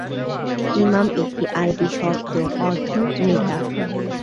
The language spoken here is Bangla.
ইমাম একটি আরবি শব্দ অর্থ "নেতা"।